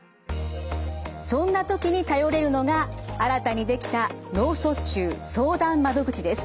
そんな時に頼れるのが新たに出来た脳卒中相談窓口です。